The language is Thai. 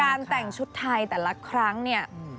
แต่งชุดไทยแต่ละครั้งเนี่ย